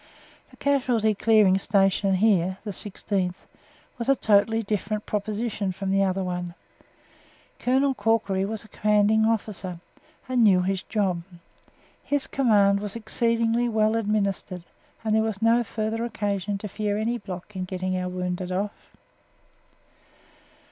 The Casualty Clearing Station here (the 16th) was a totally different proposition from the other one. Colonel Corkery was commanding officer, and knew his job. His command was exceedingly well administered, and there was no further occasion to fear any block in getting our wounded off.